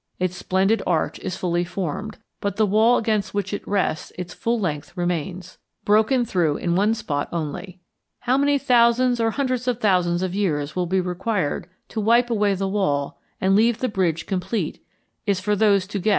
Its splendid arch is fully formed, but the wall against which it rests its full length remains, broken through in one spot only. How many thousands or hundreds of thousands of years will be required to wipe away the wall and leave the bridge complete is for those to guess who will.